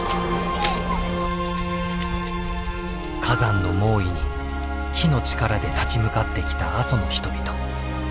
火山の猛威に火の力で立ち向かってきた阿蘇の人々。